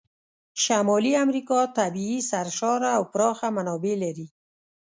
شمالي امریکا طبیعي سرشاره او پراخه منابع لري.